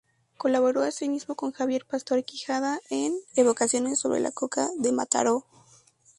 Colaboró así mismo con Javier Pastor Quijada en "Evocaciones sobre la Coca de Mataró".